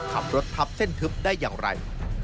ขับรถทับเส้นทึบได้อย่างไร